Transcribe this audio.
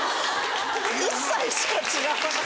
１歳しか違わない。